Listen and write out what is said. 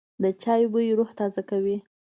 د چای بوی روح تازه کوي.